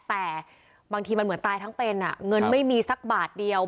แต่บางทีมันเหมือนตายทั้งเป็นเงินไม่มีสักบาทเดียว